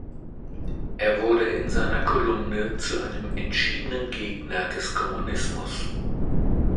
Er wurde in seiner Kolumne zu einem entschiedenen Gegner des Kommunismus.